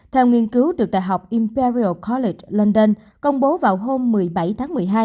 theo nghiên cứu được đại học imperial coletch lendern công bố vào hôm một mươi bảy tháng một mươi hai